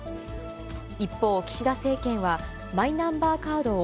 一方、岸田政権は、マイナンバーカードを、